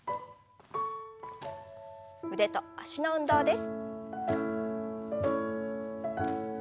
腕と脚の運動です。